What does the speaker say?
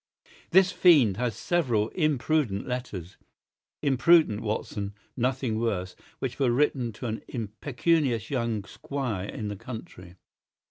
This fiend has several imprudent letters—imprudent, Watson, nothing worse—which were written to an impecunious young squire in the country.